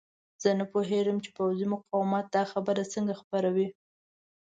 زه نه پوهېږم چې پوځي مقامات دا خبره څنګه خپروي.